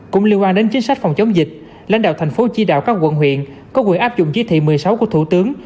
cũng liên quan đến chính sách phòng chống dịch lãnh đạo tp hcm có quyền áp dụng chí thị một mươi sáu của thủ tướng